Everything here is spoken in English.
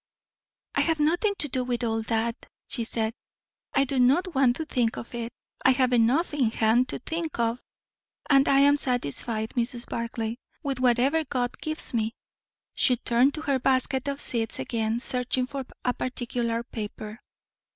"I have nothing to do with all that," she said. "I do not want to think of it. I have enough in hand to think of. And I am satisfied, Mrs. Barclay, with whatever God gives me." She turned to her basket of seeds again, searching for a particular paper.